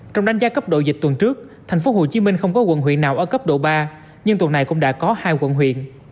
trong đánh giá cấp độ dịch tuần trước thành phố hồ chí minh không có quận huyện nào ở cấp độ ba nhưng tuần này cũng đã có hai quận huyện